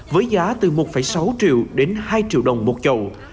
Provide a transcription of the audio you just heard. với giá từ một sáu triệu đến hai triệu đồng một chậu